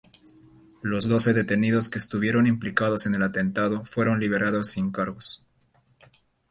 Los doce detenidos que estuvieron implicados en el atentado fueron liberados sin cargos.